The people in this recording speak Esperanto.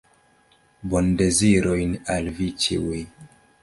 Bondezirojn al vi ĉiuj!